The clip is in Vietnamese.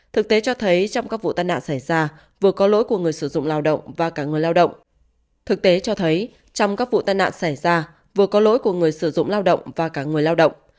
thực tế cho thấy trong các vụ tàn nạn xảy ra vừa có lỗi của người sử dụng lao động và cả người lao động